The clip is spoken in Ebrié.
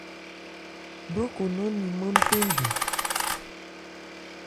Gbrokò nnán limán ntɛnndu.